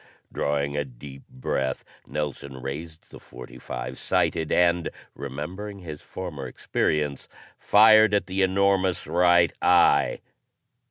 Drawing a deep breath, Nelson raised the .45, sighted, and, remembering his former experience, fired at the enormous right eye.